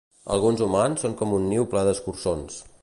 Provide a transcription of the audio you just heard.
Alguns humans són com un niu ple d'escurçons